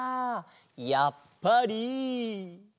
やっぱり？